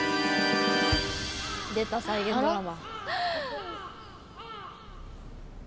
出た再現ドラマ。